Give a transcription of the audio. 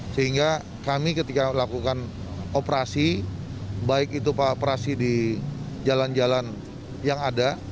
sehingga kami ketika melakukan operasi baik itu operasi di jalan jalan yang ada